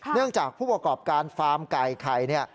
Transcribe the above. เนื่องจากผู้ประกอบการฟาร์มไก่ไข่เนี่ย